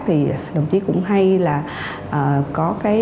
thì đồng chí cũng không phải là chỉ giữ cho riêng mình